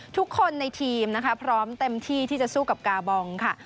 ทุกคนในทีมนะคะพร้อมเต็มที่ที่จะสู้กับกาบองค่ะ